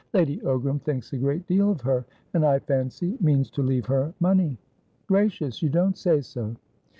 "Lady Ogram thinks a great deal of her, and, I fancy, means to leave her money." "Gracious! You don't say so!"